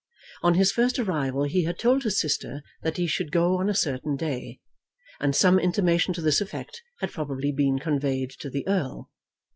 On his first arrival he had told his sister that he should go on a certain day, and some intimation to this effect had probably been conveyed to the Earl.